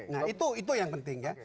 nah itu yang penting ya